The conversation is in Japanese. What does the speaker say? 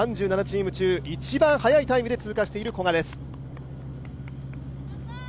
３７チーム中一番速いタイムで通過している古賀です。